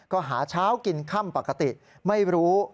ก็หาเช้ากินค่ำปกติไม่รู้